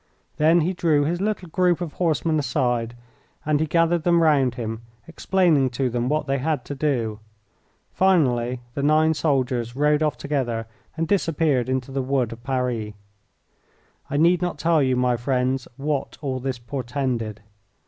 Then he drew his little group of horsemen aside and he gathered them round him, explaining to them what they had to do. Finally the nine soldiers rode off together and disappeared into the Wood of Paris. I need not tell you, my friends, what all this portended.